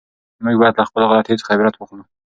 موږ باید له خپلو غلطیو څخه عبرت واخلو.